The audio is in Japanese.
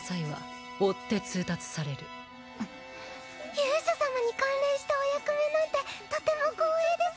勇者様に関連したお役目なんてとても光栄です。